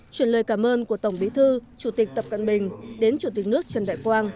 chuyển lời cảm ơn của tổng bí thư chủ tịch tập cận bình đến chủ tịch nước trần đại quang